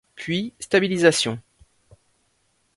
Puis stabilisation.